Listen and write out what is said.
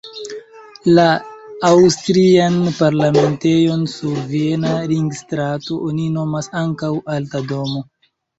La aŭstrian parlamentejon sur Viena Ringstrato oni nomas ankaŭ Alta Domo.